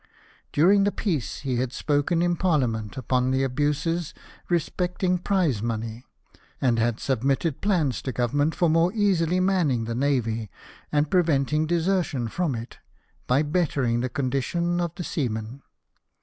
During tlie peace he had spoken in Parliament upon the abuses respecting prize inqney ; and had submitted plans to Government for more easily manning the navy, and preventing desertion from it, by bettering the condition of the seamen.